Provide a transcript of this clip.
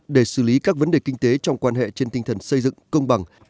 để xử lý các vấn đề kinh tế trong quan hệ trên tinh thần xây dựng công bằng